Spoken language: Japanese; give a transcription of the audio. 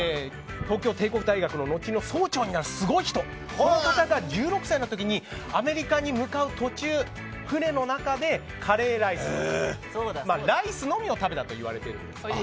東京帝国大学の後の総長になるすごい人が１６歳の時にアメリカに向かう途中船の中でカレーライスライスのみを食べたといわれています。